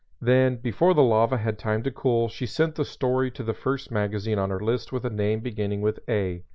Then before the lava had time to cool she sent the story to the first magazine on her list with a name beginning with "A."